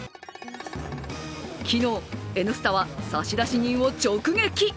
昨日「Ｎスタ」は差出人を直撃！